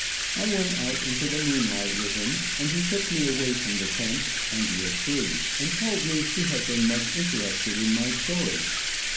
I went out into the moonlight with him, and he took me away from the tents, under a tree, and told me he had been much interested in my story.